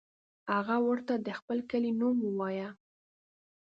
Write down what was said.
هغه ورته د خپل کلي نوم ووایه.